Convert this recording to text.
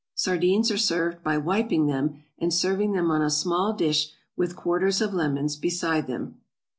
_) Sardines are served by wiping them, and serving them on a small dish with quarters of lemons beside them.